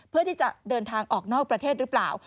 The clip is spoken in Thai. เพื่อที่จะเดินทางออกนอกประเทศหรือเปล่า